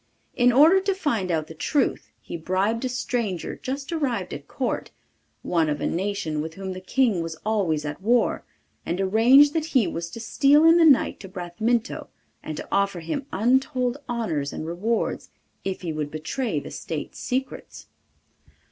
In order to find out the truth he bribed a stranger just arrived at Court, one of a nation with whom the King was always at war, and arranged that he was to steal in the night to Bramintho and to offer him untold honours and rewards if he would betray the State secrets.